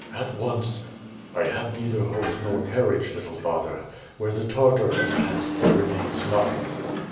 "At once." "I have neither horse nor carriage, little father. Where the Tartar has passed there remains nothing!"